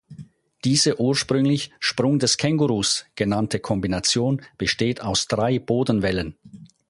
Diese ursprünglich "„Sprung des Kängurus“" genannte Kombination besteht aus drei Bodenwellen.